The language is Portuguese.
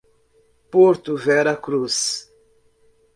Porto Vera Cruz